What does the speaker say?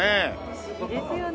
不思議ですよね。